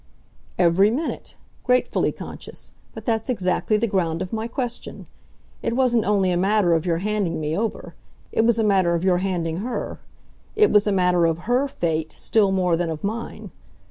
"Every minute gratefully conscious. But that's exactly the ground of my question. It wasn't only a matter of your handing me over it was a matter of your handing her. It was a matter of HER fate still more than of mine.